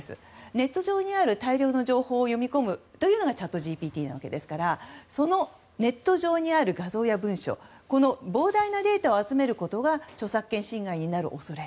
ネット上にある大量の情報を読み込むというのがチャットＧＰＴなわけですからそのネット上にある画像や文章のこの膨大なデータを集めることが著作権侵害になる恐れ。